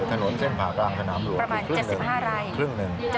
ถนนเส้นผ่ากลางถนามหลวงคือครึ่งหนึ่ง